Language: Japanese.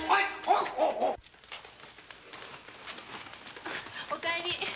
お帰り。